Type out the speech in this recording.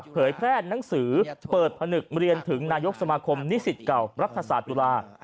เผยแพร่หนังสือเปิดผนึกเรียนถึงนายกสมาคมนิสิตเก่ารัฐศาสตร์จุฬา